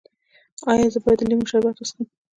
ایا زه باید د لیمو شربت وڅښم؟